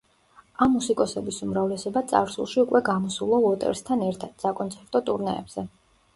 ამ მუსიკოსების უმრავლესობა წარსულში უკვე გამოსულა უოტერსთან ერთად, საკონცერტო ტურნეებზე.